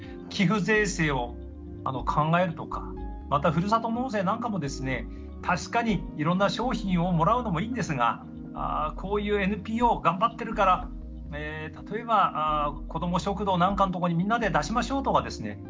寄付税制を考えるとかまたふるさと納税なんかもですね確かにいろんな商品をもらうのもいいんですがこういうＮＰＯ頑張ってるから例えば子ども食堂なんかのところにみんなで出しましょうとかですね